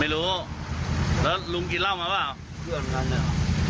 ไม่รู้แล้วลุงกินเหล้ามาหรือเปล่า